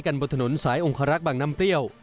บนถนนสายองคารักษ์บางน้ำเปรี้ยว